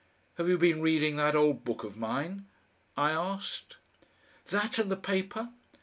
"Have you been reading that old book of mine?" I asked. "That and the paper.